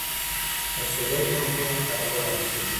د سولر پمپونو کارول عام شوي.